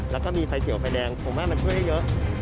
แล้วก็มีไฟเขียวไฟแดงผมว่ามันช่วยได้เยอะ